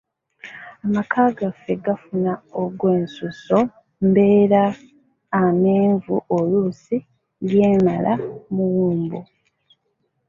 Amaka gaffe gafuna ogw'ensusso, mbeera amenvu oluusi geemala muwumbo.